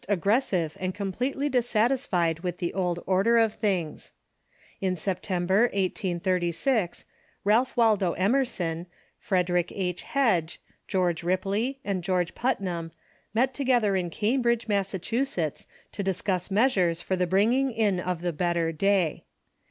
. aofofressive, and completely dissatisfied with the old or Origm ''^/.• t der of things. In September, 1836, Ralph Waldo Emer son, Frederick H. Hedge, George Ripley, and George Putnam met together in Cambridge, Massachusetts, to discuss meas ures for the bringing in of the better day.